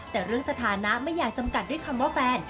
แต่เรื่องสถานะไม่อยากจำกัดด้วยคำว่าแฟน